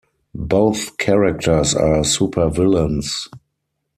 Both characters are supervillains.